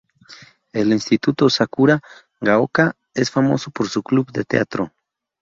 El instituto Sakura-Gaoka es famoso por su club de teatro.